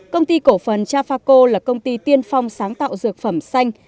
công ty cổ phần trafaco là công ty tiên phong sáng tạo dược phẩm xanh